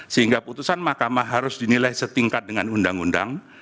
sehingga putusan mahkamah harus dinilai setingkat dengan undang undang